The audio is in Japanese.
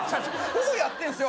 ４やってんすよ